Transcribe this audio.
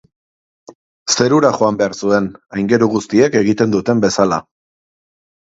Zerura joan behar zuen, aingeru guztiek egiten duten bezala.